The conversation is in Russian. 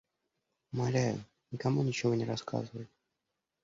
Умоляю, никому ничего не рассказывай.